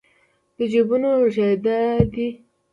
د جېبونو لوټېده دي